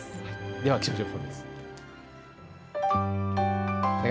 では、気象情報です。